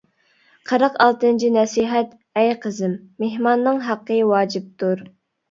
قىرىق ئالتىنچى نەسىھەت ئەي قىزىم، مېھماننىڭ ھەققى ۋاجىپتۇر.